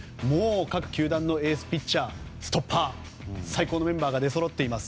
各球団のエースピッチャーストッパー最高のメンバーが出そろっています。